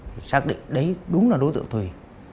thì xác định đấy đúng là đối tượng thùy